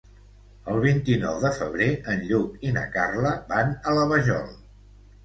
El vint-i-nou de febrer en Lluc i na Carla van a la Vajol.